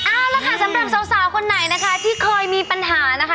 เอาละค่ะสำหรับสาวคนไหนนะคะที่เคยมีปัญหานะคะ